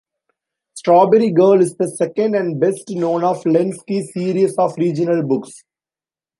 "Strawberry Girl" is the second and best known of Lenski's series of regional books.